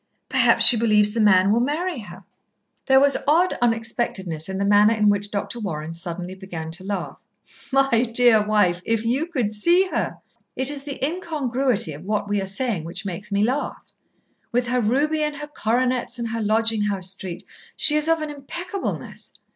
"Perhaps she believes the man will marry her." There was odd unexpectedness in the manner in which Dr. Warren suddenly began to laugh. "My dear wife, if you could see her! It is the incongruity of what we are saying which makes me laugh. With her ruby and her coronets and her lodging house street, she is of an impeccableness!